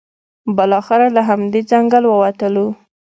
بالاخره له همدې ځنګل ووتلو.